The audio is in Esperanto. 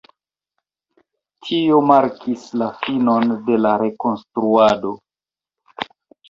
Tio markis la finon de la Rekonstruado.